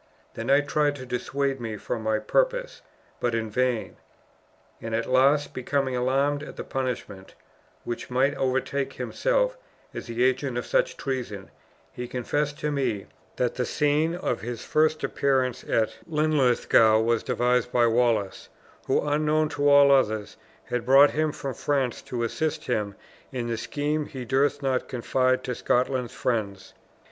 The knight tried to dissuade me from my purpose, but in vain, and at last, becoming alarmed at the punishment which might overtake himself as the agent of such treason, he confessed to me that the scene of his first appearance at Linlithgow was devised by Wallace, who, unknown to all others, had brought him from France to assist him in the scheme he durst not confide to Scotland's friends.